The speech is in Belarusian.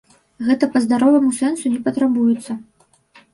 Гэта па здароваму сэнсу не патрабуецца.